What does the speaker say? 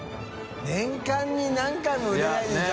屬何回も売れないでしょ。